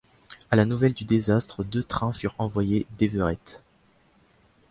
À la nouvelle du désastre, deux trains furent envoyés d'Everett.